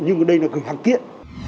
nhưng đây là gửi hàng tiện